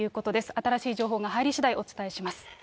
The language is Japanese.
新しい情報が入りしだい、お伝えします。